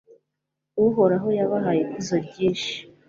uhoraho yabahaye ikuzo ryinshi